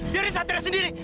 biarin satria sendiri